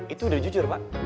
itu sudah jujur pak